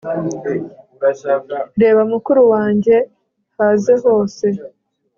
reba mukuru wanjye haze hose